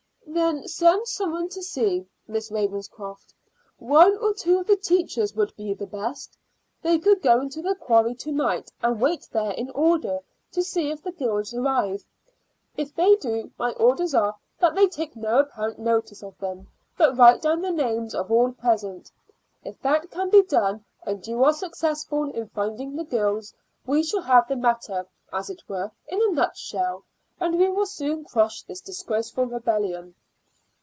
"Then send some one to see, Miss Ravenscroft. One or two of the teachers would be the best. They could go to the quarry to night and wait there in order to see if the girls arrive. If they do, my orders are that they take no apparent notice of them, but write down the names of all present. If that can be done, and you are successful in finding the girls, we shall have the matter, as it were, in a nutshell, and we shall soon crush this disgraceful rebellion."